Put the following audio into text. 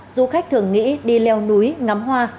du khách thường nghĩ đi leo núi ngắm hoa